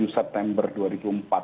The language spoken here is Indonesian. tujuh september dua ribu empat